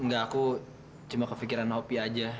enggak aku cuma kepikiran ngopi aja